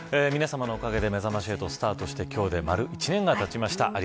皆さまのおかげでめざまし８、スタートして今日で丸１年がたちました。